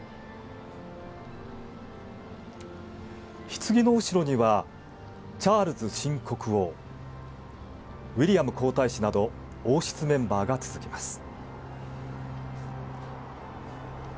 ひつぎの後ろにはチャールズ新国王ウィリアム皇太子など王室メンバーが続きます。